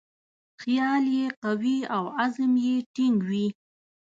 خیال یې قوي او عزم یې ټینګ وي.